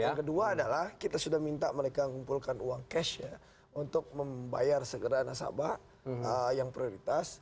yang kedua adalah kita sudah minta mereka ngumpulkan uang cash untuk membayar segera nasabah yang prioritas